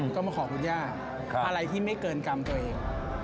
ก็มาขอคุณย่าอะไรที่ไม่เกินกรรมตัวเอง